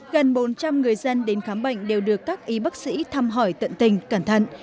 gần bốn trăm linh người dân đến khám bệnh đều được các y bác sĩ thăm hỏi tận tình cẩn thận